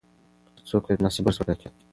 هر څوک باید مناسب برس وټاکي.